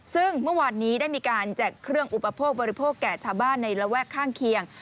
ซึ่งเมื่อวานนี้ได้มีการแจกเครื่องอุปโภคบริโภคแก่ชาวบ้านในระแวกข้างเคียง